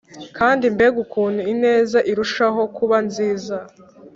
kandi mbega ukuntu ineza irushaho kuba nziza,